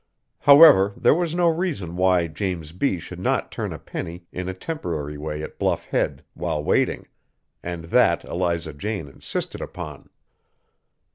However, there was no reason why James B. should not turn a penny in a temporary way at Bluff Head, while waiting; and that Eliza Jane insisted upon.